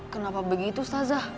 kenapa begitu ustazah